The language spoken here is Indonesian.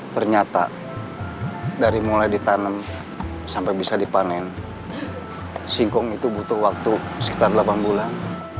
ternyata dari mulai ditanam sampai bisa dipanen singkong itu butuh waktu sekitar delapan bulan